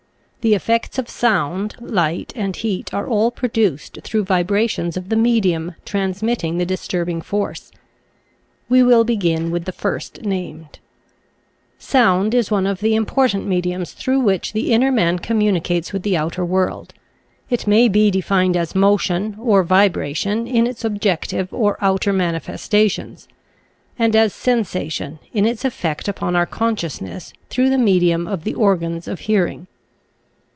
The effects of Sound, Light, and Heat are all produced through vibrations of the medium transmitting the dis turbing force. We will begin with the first named. 56 Original from UNIVERSITY OF WISCONSIN SounD. 57 Sound is one of the important mediums through which the inner man communicates with the outer world. It may be defined as Motion or Vibration, in its objective or outer manifestations, and as Sensation in its effect upon our consciousness through the medium of the organs of hearing.